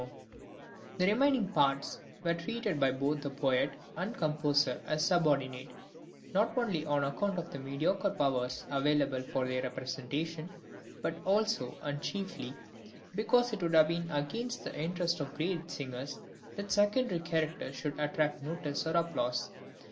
The remaining parts were treated by both the poet and the composer as subordinate, not only on account of the mediocre powers available for their representation, but also and chiefly because it would have been against the interests of the great singers that secondary characters should attract notice or applause.